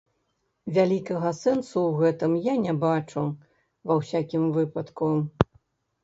Вялікага сэнсу ў гэтым я не бачу, ва ўсякім выпадку.